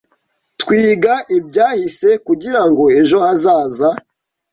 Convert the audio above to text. Twiga ibyahise kugirango ejo hazaza.